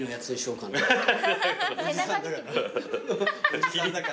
おじさんだから。